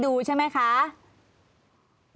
ลุงเอี่ยมอยากให้อธิบดีช่วยอะไรไหม